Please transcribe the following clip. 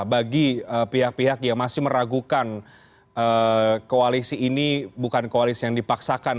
bagi pihak pihak yang masih meragukan koalisi ini bukan koalisi yang dipaksakan